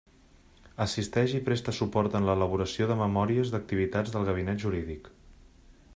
Assisteix i presta suport en l'elaboració de memòries d'activitats del Gabinet Jurídic.